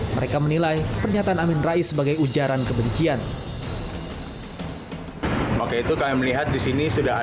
mereka menimbulkan kemampuan untuk mencari penyelamat